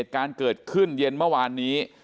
การเกิดขึ้นเย็นเมื่อวานนี้